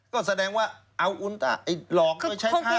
ก็แสดงว่าเอาอุลต้าเราก็ใช้ภาพเนี่ยละ